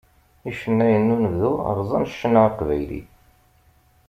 Icennayen n unebdu rẓan ccna aqbayli.